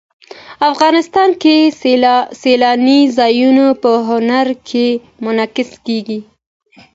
افغانستان کې سیلاني ځایونه په هنر کې منعکس کېږي.